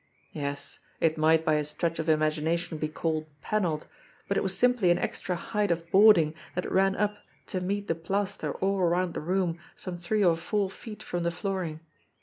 Yes, it might by a stretch of imagination be called panelled, but it was simply an extra height of boarding thafc ran up to meet the plaster all around the room some three or four feet from the flooring.